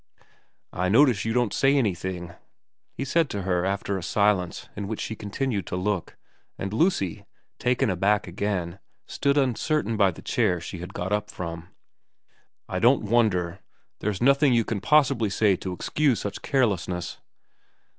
' I notice you don't say anything,' he said to her after a silence in which she continued to look, and Lucy, taken aback again, stood uncertain by the chair she had got up from. ' I don't wonder. There's nothing you can possibly say to excuse such carelessness.'